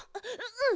うん！